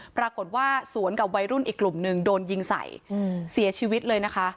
ปรากฏว่าสวนกับวัยรุ่นอีกกลุ่มนึงโดนยิงใส่เสียชีวิตเลยนะคะ